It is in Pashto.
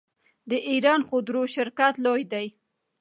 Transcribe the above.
د ایران خودرو شرکت لوی دی.